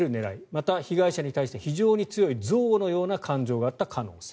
また、被害者に対して非常に強い憎悪のような感情があった可能性。